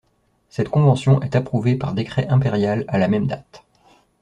Cette convention est approuvée par décret impérial à la même date.